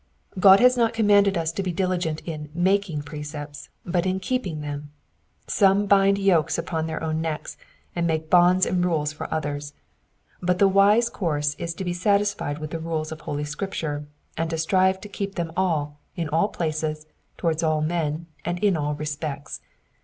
God has not commanded us to be diligent in making precepts, but in keeping them. Some bind yokes upon their own necks, and make bonds and rules for others : but the wise course is to be satistied with the rules of holy Scripture, and to strive to keep them all, in all places, towards all men, and in all respects.